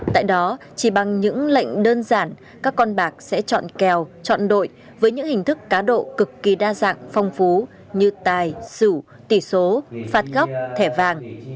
tại đó chỉ bằng những lệnh đơn giản các con bạc sẽ chọn kèo chọn đội với những hình thức cá độ cực kỳ đa dạng phong phú như tài xỉu tỷ số phạt góc thẻ vàng